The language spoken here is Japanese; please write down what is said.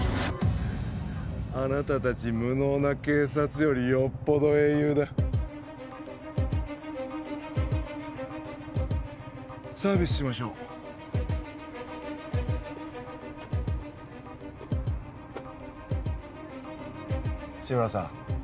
あなた達無能な警察よりよっぽど英雄だサービスしましょう志村さん